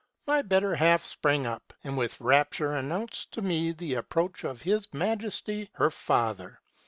My better half sprang up, and with rapture announced to me the approach of his Majesty her father.